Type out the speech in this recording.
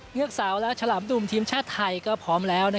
เงือกสาวและฉลามดุ่มทีมชาติไทยก็พร้อมแล้ว